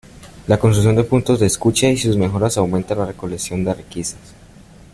La construcción de puntos de escucha y sus mejoras aumentan la recolección de requisas.